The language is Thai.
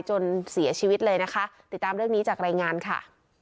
จนเสียชีวิตเลยนะคะติดตามเรื่องนี้จากรายงานค่ะ